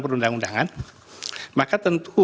perundang undangan maka tentu